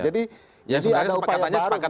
jadi ada upaya baru